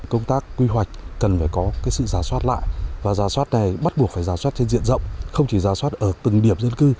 công tác quy hoạch cần phải có sự giả soát lại và giả soát này bắt buộc phải giả soát trên diện rộng không chỉ giả soát ở từng điểm dân cư